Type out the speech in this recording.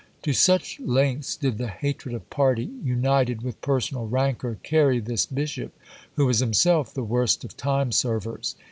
To such lengths did the hatred of party, united with personal rancour, carry this bishop, who was himself the worst of time servers.